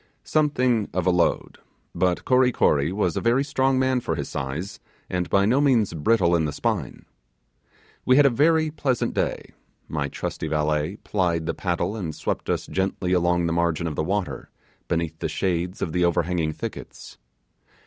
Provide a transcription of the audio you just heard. Something of a load; but Kory Kory was a very strong man for his size, and by no means brittle in the spine. We had a very pleasant day; my trusty valet plied the paddle and swept us gently along the margin of the water, beneath the shades of the overhanging thickets.